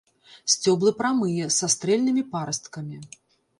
Сцёблы прамыя, са стэрыльнымі парасткамі.